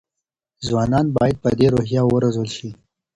ځوانان باید په دې روحیه وروزل شي.